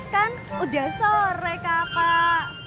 kan udah sore kakak